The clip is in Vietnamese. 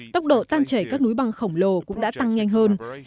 tốc độ tan chảy các núi băng khổng lồ cũng đã tăng nhanh hơn